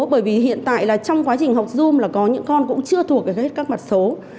bởi vì hiện tại là trong quá trình học zoom là có những con cũng chưa thuộc được hết các mặt số